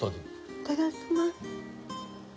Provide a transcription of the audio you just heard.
いただきます。